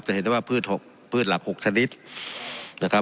เห็นได้ว่าพืช๖พืชหลัก๖ชนิดนะครับ